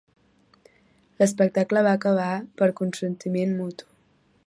L'espectacle va acabar per consentiment mutu.